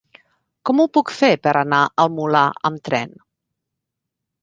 Com ho puc fer per anar al Molar amb tren?